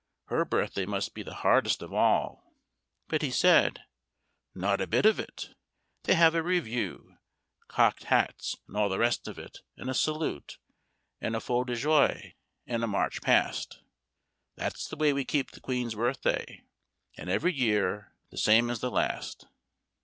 her birthday must be the hardest of all." But he said, "Not a bit of it! They have a review: Cocked hats and all the rest of it; and a salute, and a feu de joie, and a March Past. That's the way we keep the Queen's Birthday; and every year the same as the last."